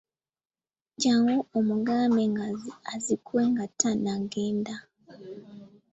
Jjangu omugambe azikuwe nga tannagenda.